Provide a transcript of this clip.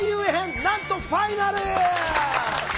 なんとファイナル！